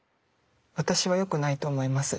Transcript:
私は良くないと思います。